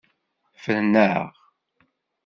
Fren-aɣ!